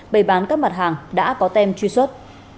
bày bán các mặt hàng đã có tem truy xuất